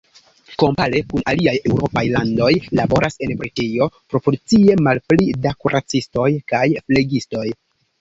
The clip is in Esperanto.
Kompare kun aliaj eŭropaj landoj laboras en Britio proporcie malpli da kuracistoj kaj flegistoj.